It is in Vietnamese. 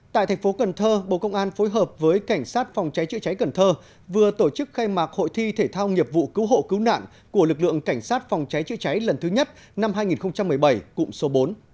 tại thành phố cần thơ bộ công an phối hợp với cảnh sát phòng cháy chữa cháy cần thơ vừa tổ chức khai mạc hội thi thể thao nghiệp vụ cứu hộ cứu nạn của lực lượng cảnh sát phòng cháy chữa cháy lần thứ nhất năm hai nghìn một mươi bảy cụm số bốn